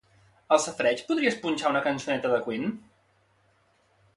Al safareig podries punxar una cançoneta de Queen?